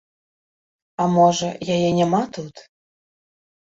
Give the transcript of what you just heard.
А можа, яе няма тут?